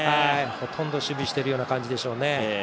ほとんど守備をしているような感じでしょうね。